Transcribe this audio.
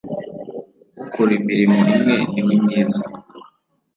ukora imirimo imwe niwe mwiza